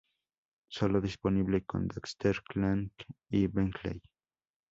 Solo disponible con Daxter, Clank y Bentley.